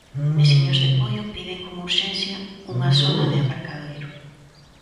Veciños de Poio piden con urxencia unha zona de aparcadoiro.